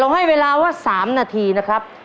เจ็ดมา๑๓ครับ